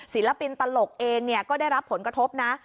ศิลปินตลกเองก็ได้รับผลกระทบนะ